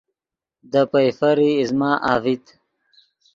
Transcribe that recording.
دے پئیفر ای ایزمہ اڤیت